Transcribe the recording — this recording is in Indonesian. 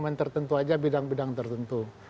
momen tertentu aja bidang bidang tertentu